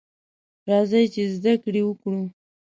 راځئ ! چې زده کړې وکړو.